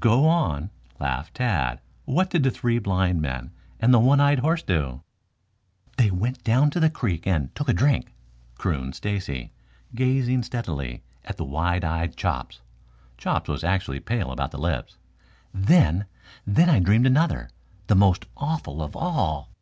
"Go on," laughed Tad. "What did the three blind men and the one eyed horse do?" "They went down to the creek and took a drink," crooned Stacy, gazing steadily at the wide eyed Chops. Chops was actually pale about the lips. "Then then I dreamed another the most awful of all."